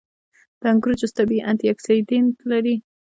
• د انګورو جوس طبیعي انټياکسیدنټ لري.